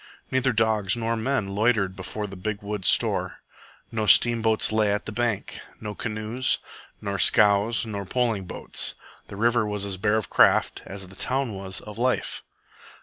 Neither dogs nor men loitered before the big store. No steamboats lay at the bank, no canoes, nor scows, nor poling boats. The river was as bare of craft as the town was of life.